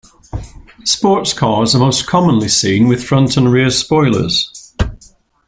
Sports cars are most commonly seen with front and rear spoilers.